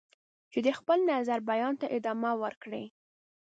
چې د خپل نظر بیان ته ادامه ورکړي.